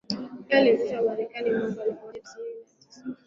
Pia alishinda América mwaka wa elfu moja mia tisa tisini na saba